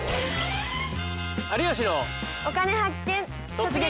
「突撃！